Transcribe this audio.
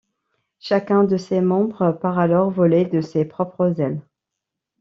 Chacun de ses membres part alors voler de ses propres ailes.